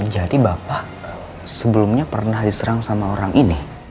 jadi bapak sebelumnya pernah diserang sama orang ini